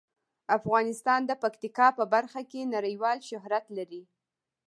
افغانستان د پکتیکا په برخه کې نړیوال شهرت لري.